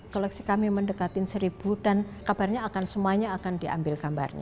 koleksi kami mendekatin seribu dan kabarnya akan semuanya akan diambil gambarnya